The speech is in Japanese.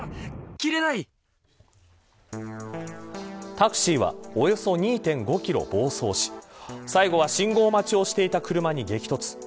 タクシーはおよそ２．５キロ暴走し最後は、信号待ちをしていた車に激突。